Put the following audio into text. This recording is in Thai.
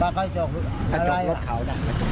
ปลาก้อยจกกลืนอะไรล่ะถ้าจบรถเขาด้านแน่